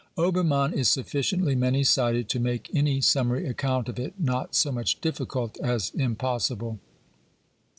^ Oberma7ui is sufficiently many sided to make any sum mary account of it not so much difficult as impossible.